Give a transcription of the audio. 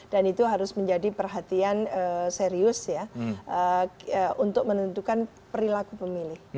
dan itu harus menjadi perhatian serius ya untuk menentukan perilaku pemilih